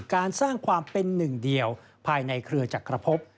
การสร้างความเป็นหนึ่งเดียวภายในเครือจักรพบ